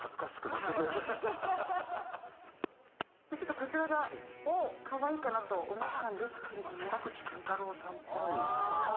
こちらがかわいいかなと思ったんですけど。